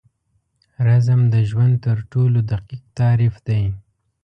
رزم د ژوند تر ټولو دقیق تعریف دی.